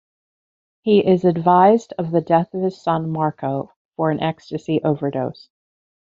He is advised of the death of his son Marco for an Ecstasy overdose.